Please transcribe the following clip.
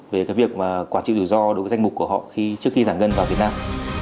về cái việc mà quản trị rủi ro đối với danh mục của họ khi trước khi giải ngân vào việt nam